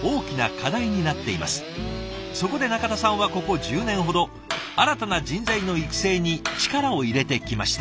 そこで中田さんはここ１０年ほど新たな人材の育成に力を入れてきました。